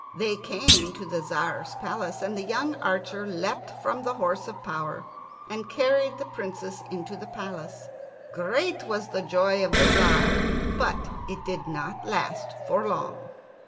They came to the Tzar's palace, and the young archer leapt from the horse of power and carried the Princess into the palace. Great was the joy of the Tzar; but it did not last for long.